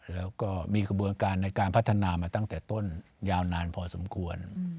แล้วก็มีกระบวนการในการพัฒนามาตั้งแต่ต้นยาวนานพอสมควร